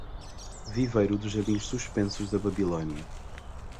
Viveiro dos jardins suspensos da Babilônia